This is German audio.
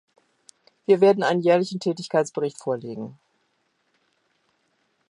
Wir werden einen jährlichen Tätigkeitsbericht vorlegen.